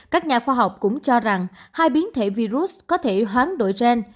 các nhà khoa học cũng cho rằng hai biến thể virus có thể hoán đổi gen